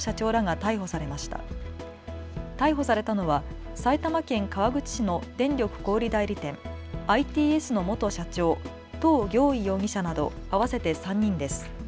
逮捕されたのは埼玉県川口市の電力小売代理店、Ｉ・Ｔ・Ｓの元社長、湯暁懿容疑者など合わせて３人です。